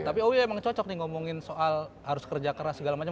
tapi owi emang cocok nih ngomongin soal harus kerja keras segala macam